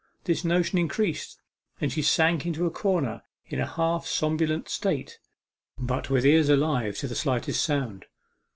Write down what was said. This notion increased, and she sank into a corner in a half somnolent state, but with ears alive to the slightest sound.